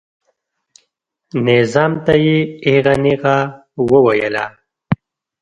نظام ته یې ایغه نیغه وویله.